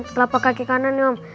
telapak kaki kanan om